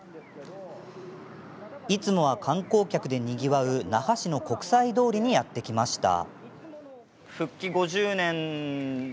いつもは観光客でにぎわう那覇市の国際通りにやって来ました。